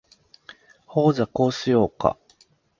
ほーじゃ、こうしようか？